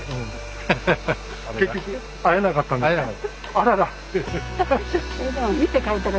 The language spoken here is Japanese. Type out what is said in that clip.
あらら。